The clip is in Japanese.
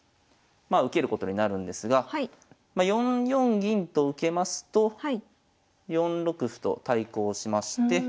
まあ受けることになるんですがま４四銀と受けますと４六歩と対抗しまして。